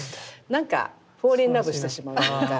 なんかフォーリンラブしてしまうというか。